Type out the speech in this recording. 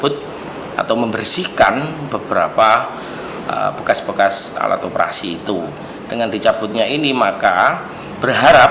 dpw persatuan perawat nasional indonesia jawa timur